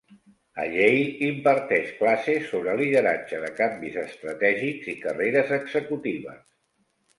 A Yale, imparteix classes sobre lideratge de canvis estratègics i carreres executives.